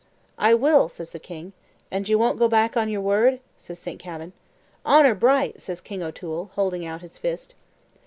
"I will," says the king. "You won't go back o' your word?" says St. Kavin. "Honour bright!" says King O'Toole, holding out his fist.